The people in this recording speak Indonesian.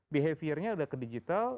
behaviornya udah ke digital